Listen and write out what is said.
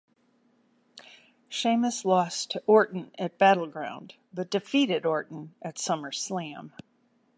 Sheamus lost to Orton at Battleground, but defeated Orton at SummerSlam.